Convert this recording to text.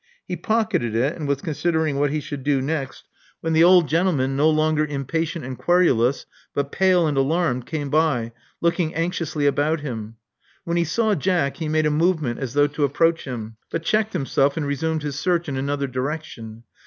He pocketed it, and was considering what he should do next, when the old 68 Love Among the Artists gentleman, no longer impatient and querulous, but pale and alarmed, came by, looking anxiously about him. When he saw Jack he made a movement as though to approach him, but checked himself and resumed his search in another direction.